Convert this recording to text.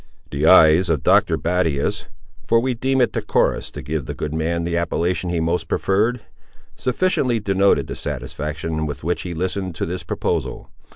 The eyes of Doctor Battius (for we deem it decorous to give the good man the appellation he most preferred) sufficiently denoted the satisfaction with which he listened to this proposal.